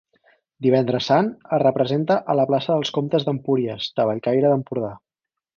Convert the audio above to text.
Divendres Sant, es representa a la plaça dels Comtes d'Empúries de Bellcaire d'Empordà.